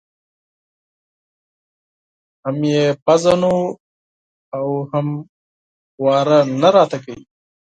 هم یې پېژنو او هم واره نه راته کوي.